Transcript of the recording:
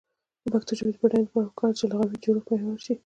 د پښتو ژبې د بډاینې لپاره پکار ده چې لغوي جوړښت پیاوړی شي.